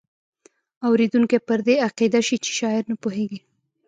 اوریدونکی پر دې عقیده شي چې شاعر نه پوهیږي.